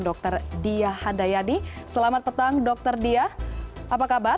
dr diyah hadayadi selamat petang dr diyah apa kabar